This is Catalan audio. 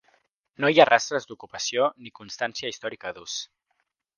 No hi ha rastres d'ocupació ni constància històrica d'ús.